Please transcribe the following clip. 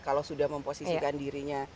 kalau sudah memposisikan dirinya